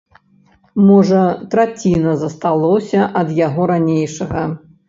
Можа, траціна засталося ад яго ранейшага.